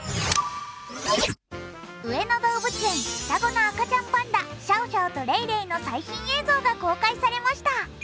上野動物園双子の赤ちゃんパンダ、シャオシャオとレイレイの最新映像が公開されました。